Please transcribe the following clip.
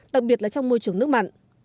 đặc biệt là trong môi trường nước mặn